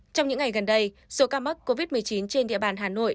trong những ngày gần đây số ca mắc covid một mươi chín trên địa bàn hà nội